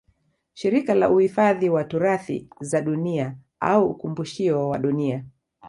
Shirika la Uifadhi wa turathi za dunia au ukumbushio wa Dunia